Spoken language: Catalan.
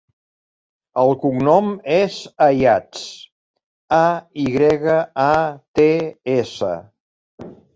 El cognom és Ayats: a, i grega, a, te, essa.